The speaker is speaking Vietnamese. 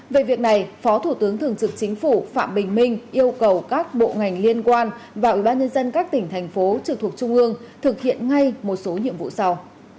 về việc này phó thủ tướng thường trực chính phủ phạm bình minh yêu cầu các bộ ngành liên quan và ubnd các tỉnh thành phố trực thuộc trung ương thực hiện ngay một số nhiệm vụ sau